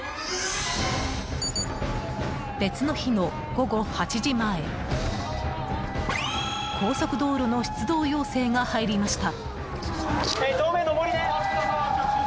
別の日の午後８時前高速道路の出動要請が入りました。